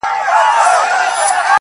لـــكــه ښـــه اهـنـــگ_